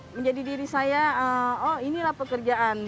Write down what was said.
menjadi diri saya oh inilah pekerjaan